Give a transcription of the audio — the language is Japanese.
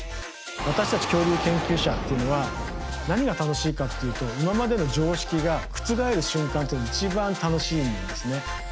私たち恐竜研究者っていうのは何が楽しいかっていうと今までの常識が覆る瞬間っていうのが一番楽しいんですね。